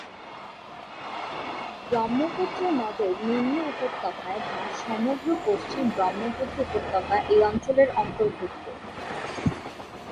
ব্রহ্মপুত্র নদের নিম্ন উপতক্যায় বা সমগ্র পশ্চিম ব্রহ্মপুত্র উপত্যকা এই অঞ্চলের অন্তর্গত।